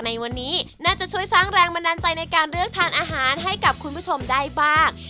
ในวันนี้น่าจะช่วยสร้างแรงบันดาลใจในการเลือกทานอาหารให้กับคุณผู้ชมได้บ้าง